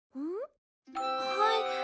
はい。